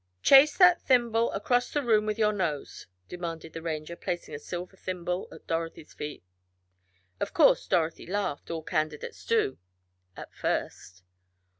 "Chase that thimble across the room with your nose," demanded the Ranger, placing a silver thimble at Dorothy's feet. Of course Dorothy laughed all candidates do at first.